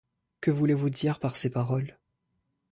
Que voulez-vous dire par ces paroles ?